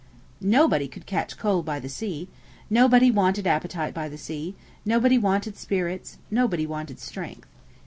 Nobody could catch cold by the sea; nobody wanted appetite by the sea; nobody wanted spirits; nobody wanted strength.